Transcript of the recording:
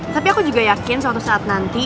tapi aku juga yakin suatu saat nanti